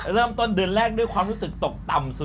เริ่มต้นเดือนแรกด้วยความรู้สึกตกต่ำสุด